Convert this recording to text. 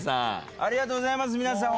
ありがとうございます皆さん